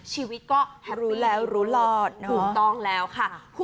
ชีวิตก็รู้แล้วรู้รอดถูกต้องแล้วค่ะ